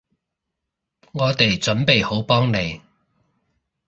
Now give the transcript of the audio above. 我哋準備好幫你